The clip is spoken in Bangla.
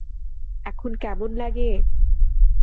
এখন কেমন লাগে?